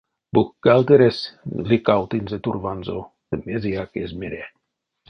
Бухгалтерэсь лыкавтынзе турванзо ды мезеяк эзь мере.